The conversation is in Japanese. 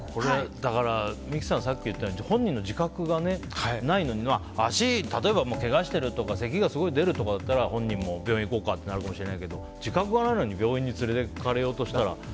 三木さんがさっき言ったように本人の自覚がないのに例えば、けがをしてるとか咳がすごい出るとかだったら病院行こうかってなるかもしれないけど自覚がないのに病院に連れていかれようとしたらね。